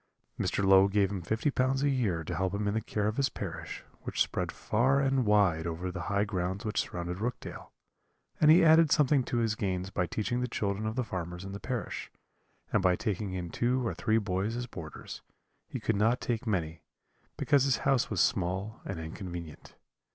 Mr. Low gave him fifty pounds a year to help him in the care of his parish, which spread far and wide over the high grounds which surrounded Rookdale; and he added something to his gains by teaching the children of the farmers in the parish, and by taking in two or three boys as boarders; he could not take many, because his house was small and inconvenient.